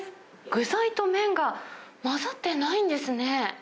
具材と麺が混ざってないんですね。